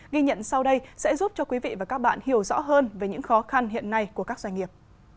ghi nhận sau đây sẽ giúp cho quý vị và các bạn hiểu rõ hơn về những khó khăn hiện nay của các doanh nghiệp